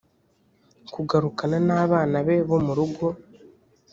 kagakurana n abana be bo mu rugo